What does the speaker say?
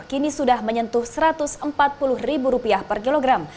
kini sudah menyentuh satu ratus empat puluh ribu rupiah per kilogram